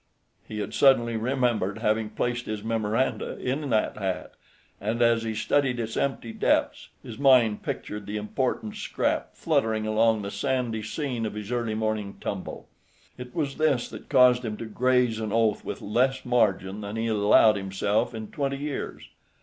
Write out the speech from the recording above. He had suddenly remembered having placed his memoranda in that hat, and as he studied its empty depths his mind pictured the important scrap fluttering along the sandy scene of his early morning tumble. It was this that caused him to graze an oath with less margin that he had allowed himself in twenty years.